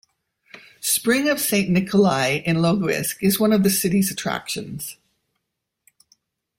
Spring of Saint Nicholai in Logoisk is one of the city's attractions.